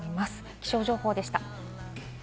気象情報でした。